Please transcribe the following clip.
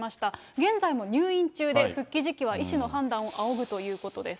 現在も入院中で、復帰時期は医師の判断を仰ぐということです。